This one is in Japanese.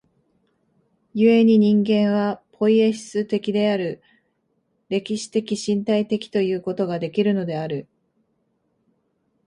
故に人間はポイエシス的である、歴史的身体的ということができるのである。